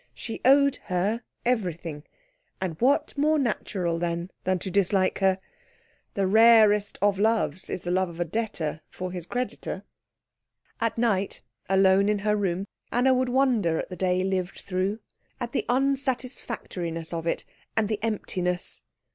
She owed her everything; and what more natural, then, than to dislike her? The rarest of loves is the love of a debtor for his creditor. At night, alone in her room, Anna would wonder at the day lived through, at the unsatisfactoriness of it, and the emptiness.